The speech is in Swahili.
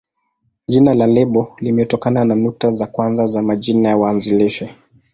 Jina la lebo limetokana na nukta za kwanza za majina ya waanzilishi.